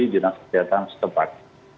dari jenazah kesehatan setepat